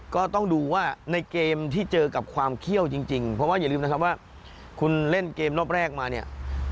ก็ต้องดูว่าในเกมที่เจอกับความเขี้ยวจริงเพราะว่าอย่าลืมนะครับว่าคุณเล่นเกมรอบแรกมาเนี่ย